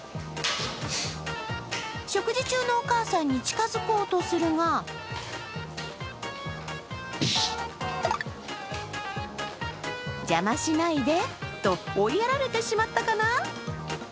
食事中のお母さんに近づこうとするが邪魔しないでと、追いやられてしまったかな？